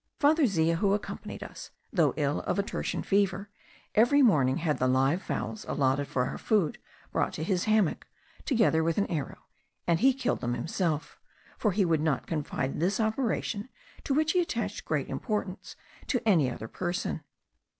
Father Zea, who accompanied us, though ill of a tertian fever, every morning had the live fowls allotted for our food brought to his hammock together with an arrow, and he killed them himself; for he would not confide this operation, to which he attached great importance, to any other person.